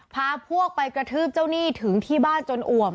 พาพวกไปกระทืบเจ้าหนี้ถึงที่บ้านจนอ่วม